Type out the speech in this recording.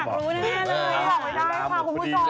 ขอบคุณผู้ชม